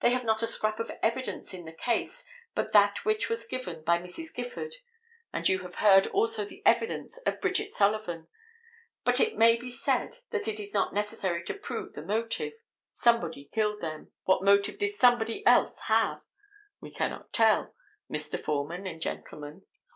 They have not a scrap of evidence in the case but that which was given by Mrs. Gifford, and you have heard also the evidence of Bridget Sullivan. But it may be said that it is not necessary to prove the motive. Somebody killed them; what motive did somebody else have? We cannot tell, Mr. Foreman and gentlemen.